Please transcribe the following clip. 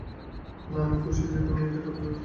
না, আমি খুশি যে তুমি এটা করতে পেরেছো।